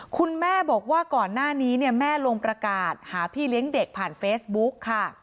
คุณแม่บอกว่าก่อนหน้านี้เนี่ยแม่ลงประกาศหาพี่เลี้ยงเด็กผ่านเฟซบุ๊กค่ะ